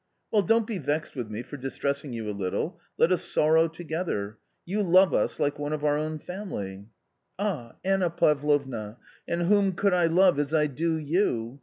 "Well, don't be vexed with me for distressing you a little, let us sorrow together ; you love us like one of our own family." " Ah, Anna Pavlovna ! and whom could I love as I do you?